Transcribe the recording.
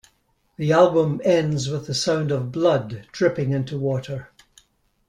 The album ends with the sound of blood dripping into water.